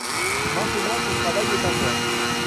Maintenant ton travail est à moi.